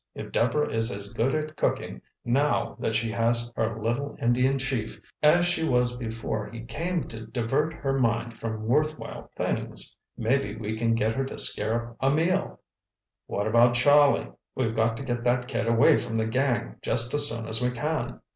If Deborah is as good at cooking now that she has her little Indian Chief, as she was before he came to divert her mind from worthwhile things, maybe we can get her to scare up a meal." "What about Charlie? We've got to get that kid away from the gang just as soon as we can."